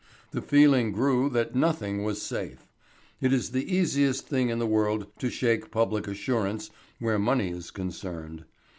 The feeling grew that nothing was safe. It is the easiest thing in the world to shake public assurance where money is concerned.